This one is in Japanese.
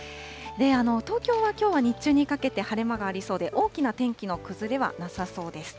東京はきょうは日中にかけて晴れ間がありそうで、大きな天気の崩れはなさそうです。